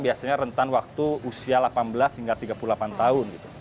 biasanya rentan waktu usia delapan belas hingga tiga puluh delapan tahun